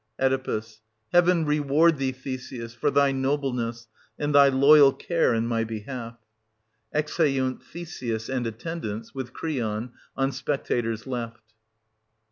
Oe. Heaven reward thee, Theseus, for thy noble ness, and thy loyal care in my behalf! [Exeimt Theseus and attendants, with Creon, on spectators left.